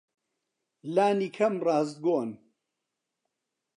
لانیکەم ڕاستگۆن.